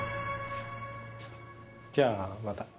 じゃあまた。